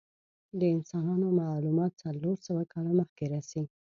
د انسانانو معلومات څلور سوه کاله مخکې رسی.